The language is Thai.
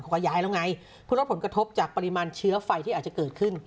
ว่าย้ายแล้วไงเพื่อรับผลกระทบจากปริมาณเชื้อไฟที่อาจจะเกิดขึ้น